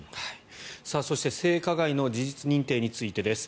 そして性加害の事実認定についてです。